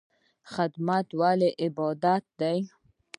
خدمت ولې عبادت دی؟